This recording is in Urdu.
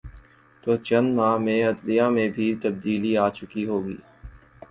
تو چند ماہ میں عدلیہ میں بھی تبدیلی آ چکی ہو گی۔